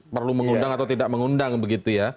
perlu mengundang atau tidak mengundang